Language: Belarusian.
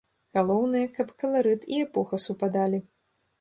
Галоўнае, каб каларыт і эпоха супадалі.